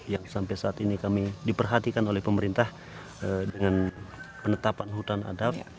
yang sampai saat ini kami diperhatikan oleh pemerintah dengan penetapan hutan adat